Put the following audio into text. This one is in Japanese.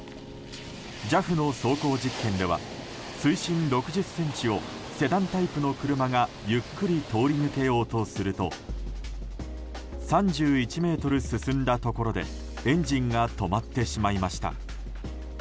ＪＡＦの走行実験では水深６０ｃｍをセダンタイプの車がゆっくり通り抜けようとすると３１ｍ進んだところでエンジンが止まってしまいました。